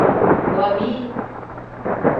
Клавий!..